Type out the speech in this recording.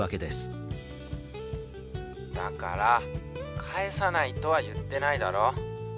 ☎だから返さないとは言ってないだろ！